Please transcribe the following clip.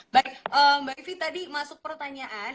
baik mbak ivi tadi masuk pertanyaan